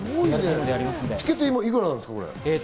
チケットは幾らなんですか？